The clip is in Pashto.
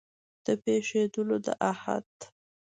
د پېښېدلو د احت